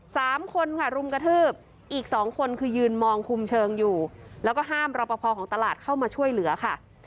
สามคนค่ะรุมกระทืบอีกสองคนคือยืนมองคุมเชิงอยู่แล้วก็ห้ามรอปภของตลาดเข้ามาช่วยเหลือค่ะ